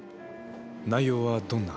内容はどんな？